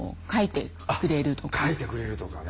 書いてくれるとかね。